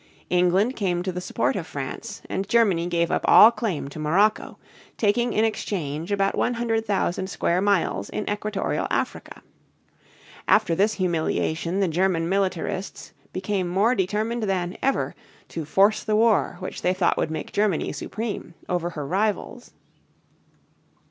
England came to the support of France, and Germany gave up all claim to Morocco, taking in exchange about 100,000 square miles in equatorial Africa. After this humiliation the German militarists became more determined than ever to force the war which they thought would make Germany supreme over her rivals.